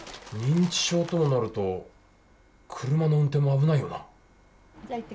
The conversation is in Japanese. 認知症ともなると車の運転も危ないよな。